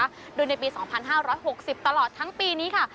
หรือในปีสองพันห้าร้อยหกสิบตลอดทั้งปีนี้ค่ะ